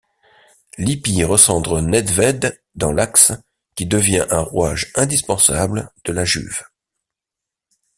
Lippi recentre Nedvěd dans l'axe, qui devient un rouage indispensable de la Juve.